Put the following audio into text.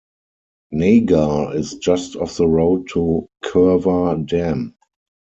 Nagar and just off the road to Kerwa Dam.